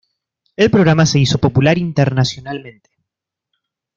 El programa se hizo popular internacionalmente.